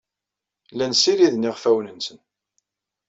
Llan ssidiren iɣfawen-nsen.